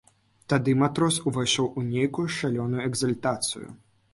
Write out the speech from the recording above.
Тады матрос увайшоў у нейкую шалёную экзальтацыю.